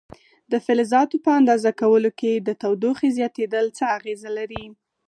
د فلزاتو په اندازه کولو کې د تودوخې زیاتېدل څه اغېزه لري؟